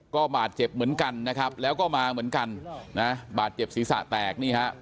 ก็บาดเจ็บเหมือนกันนะครับแล้วก็มาเหมือนกันนะบาดเจ็บศีรษะแตกนี่ฮะ